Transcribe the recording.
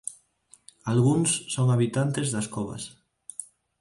Algúns son habitantes das covas.